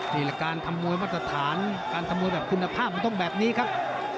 นี่แหละการทำมวยมาตรฐานการทำมวยแบบคุณภาพมันต้องแบบนี้ครับ